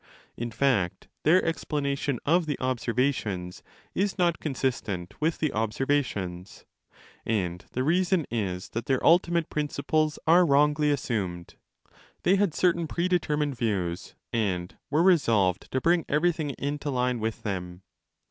In fact their explanation of the observations is not consistent with the observations. And the reason is that their ultimate principles are wrongly assumed: they had certain predetermined views, and were resolved to bring everything into line withthem.